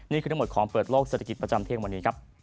นี่คือทั้งหมดของเปิดโลกเศรษฐกิจประจำเที่ยงวันนี้ครับ